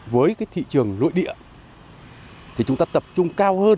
với cái thị trường nội địa thì chúng ta tập trung cao hơn